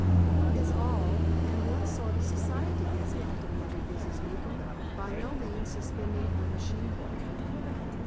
"Who is 'all,' and what sort of a society is it?" demanded Mrs. Newcombe, by no means suspending her machine work.